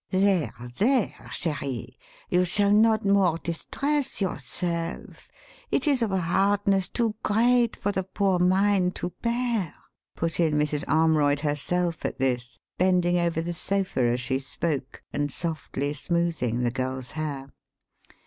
"There, there, cherie, you shall not more distress yourself. It is of a hardness too great for the poor mind to bear," put in Mrs. Armroyd herself at this, bending over the sofa as she spoke and softly smoothing the girl's hair.